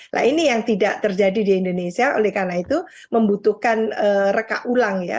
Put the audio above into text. nah ini yang tidak terjadi di indonesia oleh karena itu membutuhkan reka ulang ya